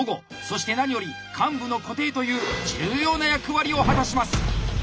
そして何より患部の固定という重要な役割を果たします。